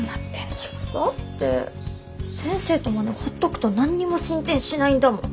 いやだって先生とモネほっとくと何にも進展しないんだもん。